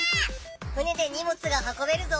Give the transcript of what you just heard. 船でにもつが運べるぞ！